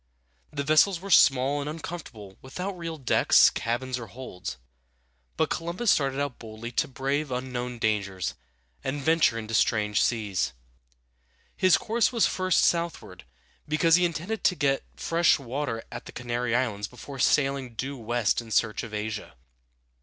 The vessels were small and uncomfortable, without real decks, cabins, or holds; but Columbus started out boldly to brave unknown dangers and venture into strange seas. His course was first southward, because he intended to get fresh water at the Canary Islands before sailing due west in search of Asia. [Illustration: The Santa Maria.